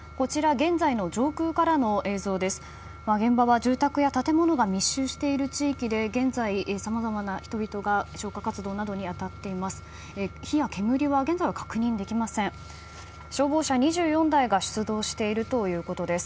現場は住宅や建物が密集している地域で現在、さまざまな人々が消火活動に当たっています。